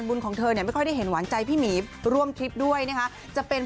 เราก็มีโอกาสได้เดินทางไปร่วมบุญข์ของมัน